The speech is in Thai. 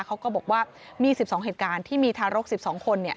เขาก็บอกว่ามี๑๒เหตุการณ์ที่มีทารก๑๒คน